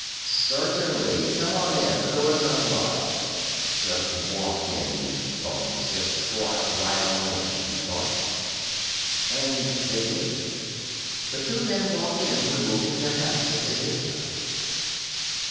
"Certainly. Come on in; the door's unlocked." Just walk in, you phonies! Just trot right on in, he thought. And they did. The two men walked in, removing their hats as they did so.